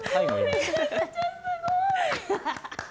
すごい！